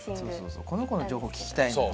この子の情報聞きたいのよ。